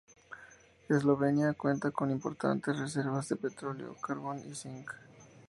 Eslovenia cuenta con importantes reservas de petróleo, carbón y zinc.